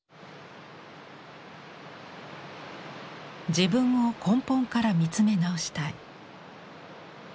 自分を根本から見つめ直したい。